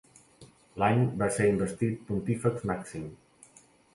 L'any va ser investit Pontífex màxim.